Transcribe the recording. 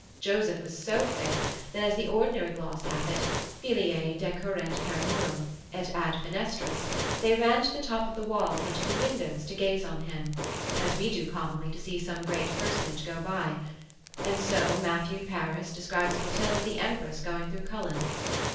Joseph was so fair, that, as the ordinary gloss hath it, filiae decurrerent per murum, et ad fenestras, they ran to the top of the walls and to the windows to gaze on him, as we do commonly to see some great personage go by: and so Matthew Paris describes Matilda the Empress going through Cullen.